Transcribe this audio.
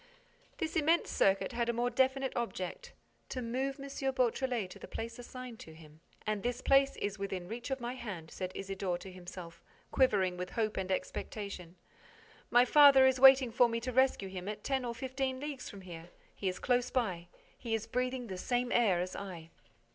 This immense circuit had a more definite object: to move M. Beautrelet to the place assigned to him. "And this place is within reach of my hand," said Isidore to himself, quivering with hope and expectation. "My father is waiting for me to rescue him at ten or fifteen leagues from here. He is close by. He is breathing the same air as I."